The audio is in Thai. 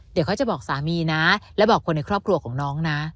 เดี๋ยวเขาจะบอกสามีนะและบอกคนในครอบครัวของน้องนะ